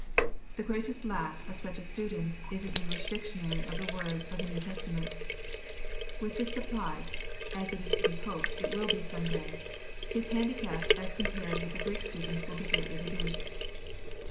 The greatest lack of such a student is an English dictionary of the words of the New Testament. With this supplied, as it is to be hoped it will be some day, his handicap as compared with the Greek student would be greatly reduced.